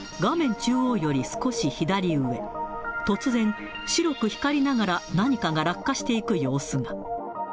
中央より少し左上、突然、白く光りながら何かが落下していく様子が。